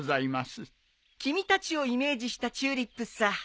君たちをイメージしたチューリップさ。